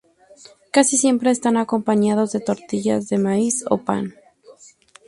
Casi siempre están acompañados de Tortilla de maíz o pan.